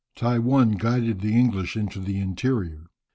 Tai One guided the English into the interior.